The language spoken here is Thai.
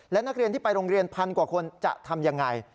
และนักเรียนที่ไปโรงเรียนพันกว่าคนจะทำยังไง